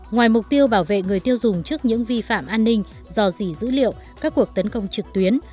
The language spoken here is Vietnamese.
ngoài mục tiêu bảo vệ người tiêu dùng trước những vi phạm an ninh dò dỉ dữ liệu các cuộc tấn công trực tuyến